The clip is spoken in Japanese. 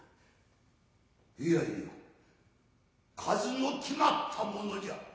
いやいや数の決まったものじゃ。